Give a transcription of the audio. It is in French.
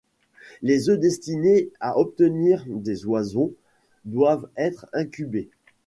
Les œufs destinés à obtenir des oisons doivent être incubés.